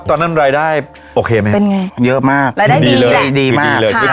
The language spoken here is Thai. ตอนนั้นรายได้โอเคไหมเป็นไงเยอะมากรายได้ดีเลยดีมากค่ะ